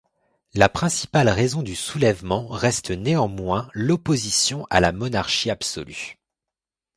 La principale raison du soulèvement reste néanmoins l'opposition à la monarchie absolue.